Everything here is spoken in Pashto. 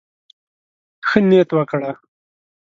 ښه نيت وکړه.